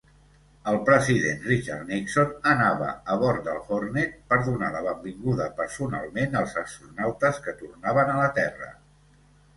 El president Richard Nixon anava a bord del "Hornet" per donar la benvinguda personalment als astronautes que tornaven a la Terra.